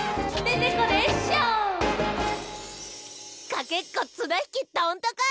かけっこつなひきどんとこい！